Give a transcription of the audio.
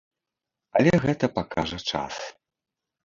Але гэта пакажа час.